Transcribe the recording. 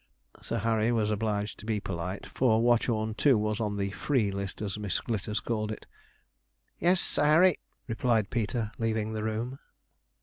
Sir Harry was obliged to be polite, for Watchorn, too, was on the 'free' list as Miss Glitters called it. 'Yes, Sir Harry,' replied Peter, leaving the room.